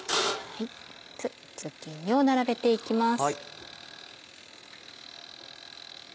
ズッキーニを並べて行きます。